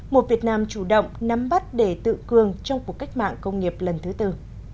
một việt nam chủ động nắm bắt để tự cường trong cuộc cách mạng công nghiệp lần thứ tư